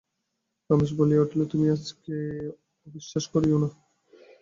রমেশ বলিয়া উঠিল, তুমি আমাকে অবিশ্বাস করিয়ো না।